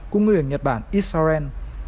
cũng như ở nhật bản israel